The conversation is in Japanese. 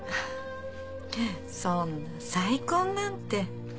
そんな再婚なんて。